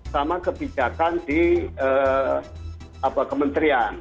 sama kebijakan di kementerian